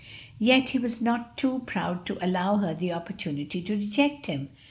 Yet he was not too proud to allow her the opportunity to reject him.